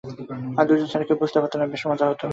আমরা দুজনে ছাড়া কেউ বুঝতে পারত না, বেশ মজা হত।